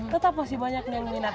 tetap masih banyak yang minat